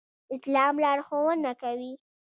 اسلام لارښوونه کوي